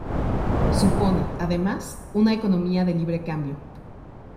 Supone, además, una economía de libre cambio.